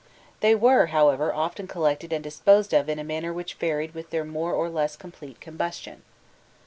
They were, however, often collected and disposed of in a manner which varied with their more or less complete combustion.